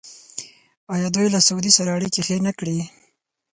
آیا دوی له سعودي سره اړیکې ښې نه کړې؟